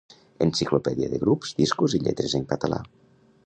Enciclopèdia de grups, discos i lletres en català.